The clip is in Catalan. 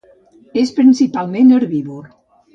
És principalment herbívor.